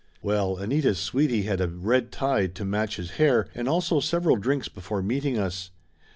Well, Anita's sweetie had a red tie to match his hair, and also several drinks before meeting us.